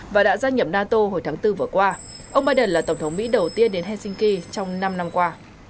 và đã gia nhập nato hồi tháng bốn vừa qua ông biden là tổng thống mỹ đầu tiên đến helsinki trong năm năm qua